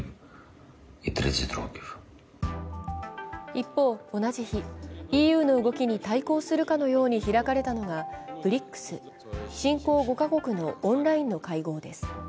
一方、同じ日、ＥＵの動きに対抗するかのように開かれたのは、ＢＲＩＣＳ＝新興５カ国のオンラインの会合です。